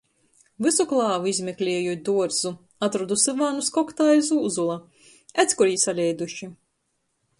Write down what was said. Vysu klāvu izmeklieju i duorzu, atrodu syvānus koktā aiz ūzula. Edz, kur jī saleiduši!